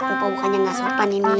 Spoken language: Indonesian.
mpuh bukannya gak sopan ini